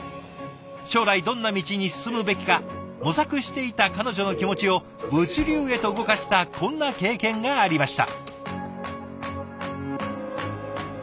将来どんな道に進むべきか模索していた彼女の気持ちを物流へと動かしたこんな経験がありました。